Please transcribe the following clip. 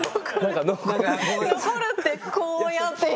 残るってこうやって。